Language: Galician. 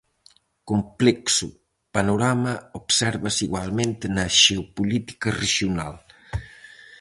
Complexo panorama obsérvase igualmente na xeopolítica rexional.